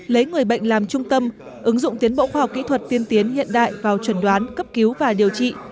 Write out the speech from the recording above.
lấy người bệnh làm trung tâm ứng dụng tiến bộ khoa học kỹ thuật tiên tiến hiện đại vào chuẩn đoán cấp cứu và điều trị